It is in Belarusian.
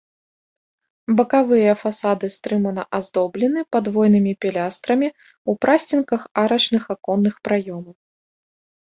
Бакавыя фасады стрымана аздоблены падвойнымі пілястрамі ў прасценках арачных аконных праёмаў.